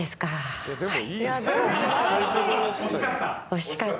惜しかった。